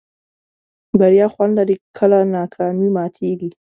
بریا خوند لري کله ناکامي ماتېږي.